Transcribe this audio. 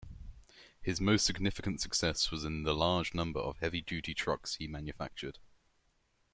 His most significant success was in the large number of heavy-duty trucks he manufactured.